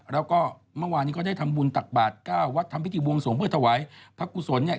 แล้วก็เมื่อวานนี้ก็ได้ทำบุญตักบาท๙วัดทำพิธีบวงสวงเพื่อถวายพระกุศลเนี่ย